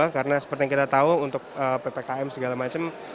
karena seperti yang kita tahu untuk ppkm segala macam